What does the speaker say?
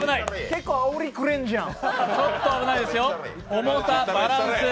結構あおりくれんじゃん。